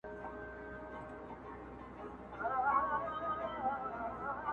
د ژورو اوبو غېږ کي یې غوټې سوې -